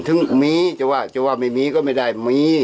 ถึงมีจะว่าจะว่าไม่มีก็ไม่ได้มี